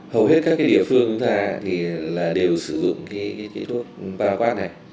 hầu hết các cái địa phương chúng ta thì là đều sử dụng cái thuốc paraquat này